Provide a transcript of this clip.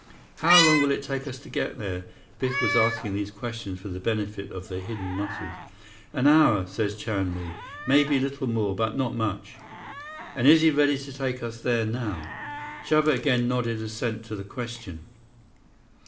"How long will it take us to get there?" Biff was asking these questions for the benefit of the hidden Muscles. "An hour, says Chan Li. Maybe little more. But not much." "And is he ready to take us there now?" Chuba again nodded assent to the question.